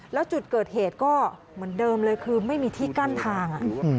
แล้วจุดเกิดเหตุก็เหมือนเดิมเลยคือไม่มีที่กั้นทาง